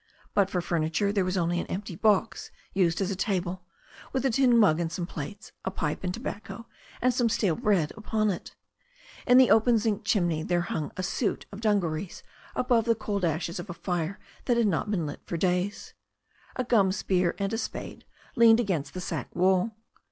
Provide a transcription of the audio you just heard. But for furniture there was only an empty box used as a table, with a tin mug and some plates, a pipe and tobacco, and some stale bread upon it. In the open zinc chimney there hung a suit of dungarees above the cold ashes of a fire THE STORY OF A NEW ZEALAND RIVER 319 that had not been lit for days. A gum spear and a spade leaned against the sack wall.